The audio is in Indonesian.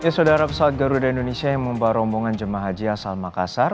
saudara pesawat garuda indonesia yang membawa rombongan jemaah haji asal makassar